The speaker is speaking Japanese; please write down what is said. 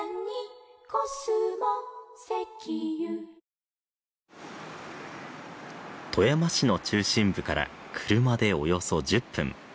お申込みは富山市の中心部から車でおよそ１０分。